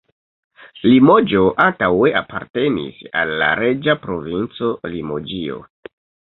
Limoĝo antaŭe apartenis al la reĝa provinco Limoĝio.